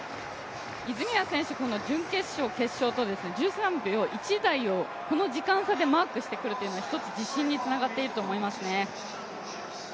泉谷選手、準決勝、決勝と１３秒０１台をこの時間差でマークしてくるというのは、一つ自信につながってくると思いますね。